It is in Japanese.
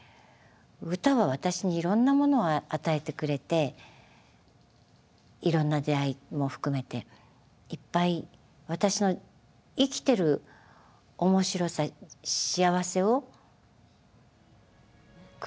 歌は私にいろんなものを与えてくれていろんな出会いも含めていっぱい私の生きてるおもしろさ幸せをくれるものかな。